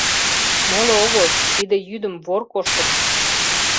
«Моло огыл, тиде йӱдым вор коштын...